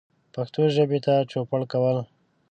پښتو ژبې ته چوپړ کول